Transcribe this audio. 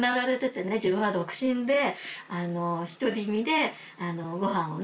自分は独身で独り身でごはんをね